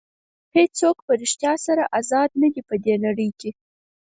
هېڅوک په ریښتیا سره ازاد نه دي په دې نړۍ کې.